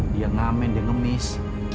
dia ngamen dia ngemis